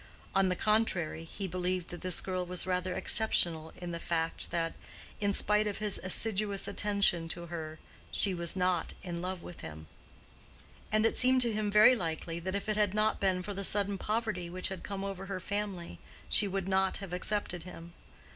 On the contrary, he believed that this girl was rather exceptional in the fact that, in spite of his assiduous attention to her, she was not in love with him; and it seemed to him very likely that if it had not been for the sudden poverty which had come over her family, she would not have accepted him.